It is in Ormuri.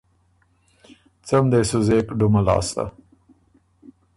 څۀ م دې سُو زېک ډُمه لاسته،